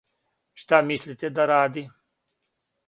Шта мислите да ради?